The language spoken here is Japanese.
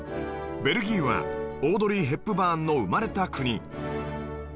ベルギーはオードリー・ヘップバーンの生まれた国